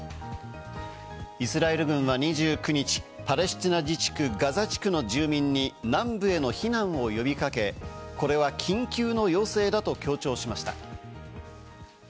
イスラエル軍は２９日、パレスチナ自治区ガザ地区の住民に、南部への避難を呼び掛け、これは緊急の要請だと強調しました。